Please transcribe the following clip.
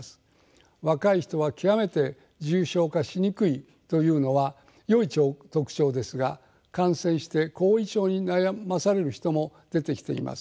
若い人は極めて重症化しにくいというのはよい特徴ですが感染して後遺症に悩まされる人も出てきています。